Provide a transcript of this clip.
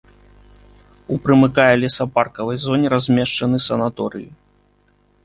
У прымыкае лесапаркавай зоне размешчаны санаторыі.